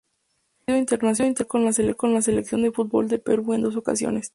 Ha sido internacional con la Selección de fútbol del Perú en dos ocasiones.